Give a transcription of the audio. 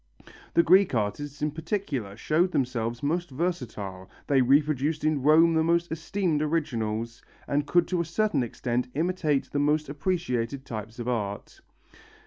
The Greek artists in particular showed themselves most versatile, they reproduced in Rome the most esteemed originals and could to a certain extent imitate the most appreciated types of art.